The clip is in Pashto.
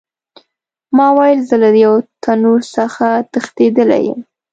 ما ویل زه له یو تنور څخه تښتېدلی یم.